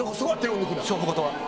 勝負事は。